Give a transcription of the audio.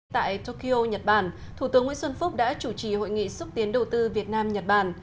tại tokyo nhật bản thủ tướng nguyễn xuân phúc đã chủ trì hội nghị xúc tiến đầu tư việt nam nhật bản